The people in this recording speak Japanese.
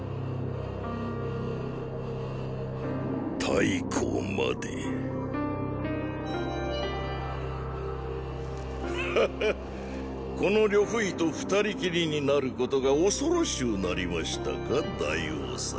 太后までハッハこの呂不韋と二人きりになることが恐ろしゅうなりましたか大王様。